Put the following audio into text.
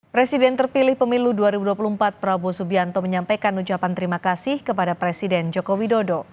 presiden terpilih pemilu dua ribu dua puluh empat prabowo subianto menyampaikan ucapan terima kasih kepada presiden joko widodo